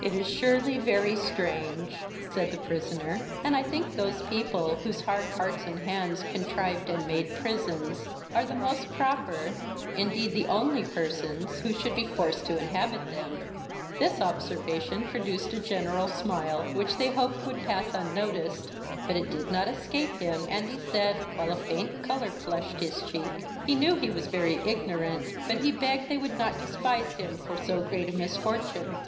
"It is surely very strange, (said the prisoner,) and I think those people, whose hard hearts and hands contrived and made prisons, are the most proper, indeed the only persons who should be forced to inhabit them." This observation produced a general smile, which they hoped would pass unnoticed, but it did not escape him, and he said, while a faint colour flushed his cheek, he knew he was very ignorant; but he begged they would not despise him for so great a misfortune.